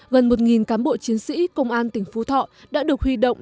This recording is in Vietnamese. gần một cán bộ chiến sĩ công an tỉnh phú thọ đã được huy động